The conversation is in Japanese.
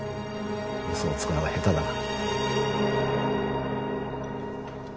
嘘をつくのが下手だな。